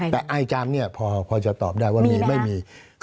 แต่อายการเนี่ยพอจะตอบได้ว่ามีไม่มี